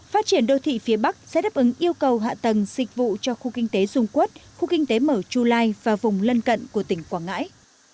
phát triển đô thị phía bắc sẽ đáp ứng yêu cầu hạ tầng dịch vụ cho khu kinh tế dung quốc khu kinh tế mở chu lai và vùng lân cận của tỉnh quảng ngãi